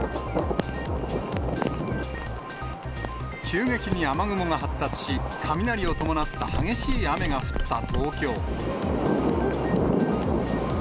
急激に雨雲が発達し、雷を伴った激しい雨が降った東京。